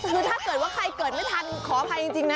คือถ้าเกิดว่าใครเกิดไม่ทันขออภัยจริงนะ